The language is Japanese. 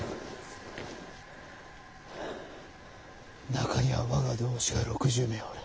中には我が同志が６０名おる。